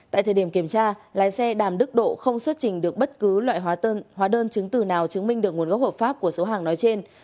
tại thời điểm kiểm tra lái xe đàm đức độ không xuất trình được bất cứ loại hóa đơn chứng từ nào chứng minh được nguồn gốc hợp pháp của số hàng nói trên